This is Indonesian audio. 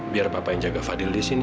biar bapak yang jaga fadil di sini